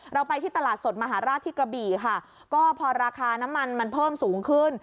เราไปที่ตลาดสดมหาราชที่กระบี่ค่ะก็พอราคาน้ำมันมันเพิ่มสูงขึ้น